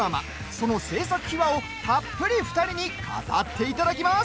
その制作秘話を、たっぷり２人に語っていただきます。